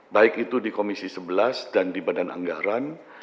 baik itu di komisi sebelas dan di badan anggaran